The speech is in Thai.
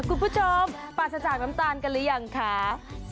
คุณผู้ชมปราศจากน้ำตาลกันหรือยังคะ